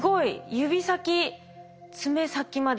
指先爪先まで。